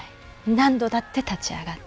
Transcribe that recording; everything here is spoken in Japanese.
何度だって立ち上がって。